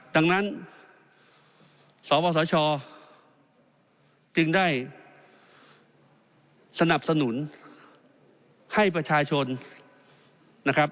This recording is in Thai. ดังนั้นสบสชจึงได้สนับสนุนให้ประชาชนนะครับ